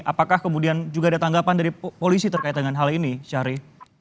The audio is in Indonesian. apakah kemudian juga ada tanggapan dari polisi terkait dengan hal ini syahri